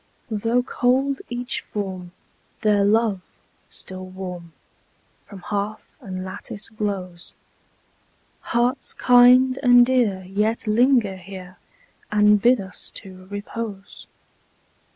Though cold each form, their love, still warm, From hearth and lattice glows: Hearts kind and dear yet linger here, And bid us to repose.